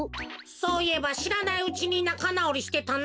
そういえばしらないうちになかなおりしてたな。